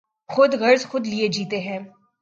خود غرض خود لئے جیتے ہیں۔